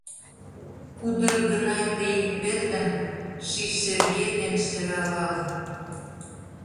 Кудыр гынай тый ӱпетым Ший шерге ден шералал.